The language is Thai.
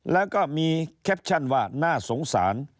แล้วก็มีแคปชั่นว่าน่าสงสาร